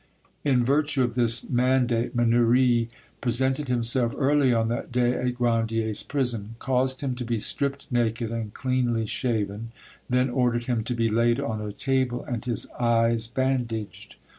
In virtue of this mandate Mannouri presented himself early on that day at Grandier's prison, caused him to be stripped naked and cleanly shaven, then ordered him to be laid on a table and his eyes bandaged.